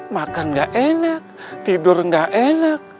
makan nggak enak tidur nggak enak